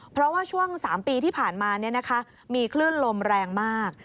เพราะว่าช่วง๓ปีที่ผ่านมามีคลื่นลมแรงมาก